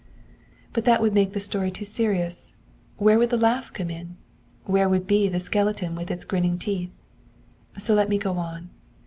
'But that would make the story too serious. Where would the laugh come in? Where would be the skeleton with its grinning teeth? 'So let me go on.